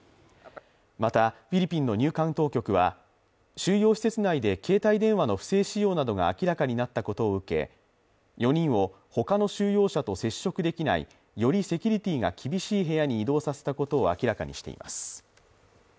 また、フィリピンの入管当局は、収容施設内で携帯電話の不正使用などが明らかになったことを受け、４人を他の収容者と接触できないよりセキュリティーが厳しい部屋に移動させたことを明らかにしています。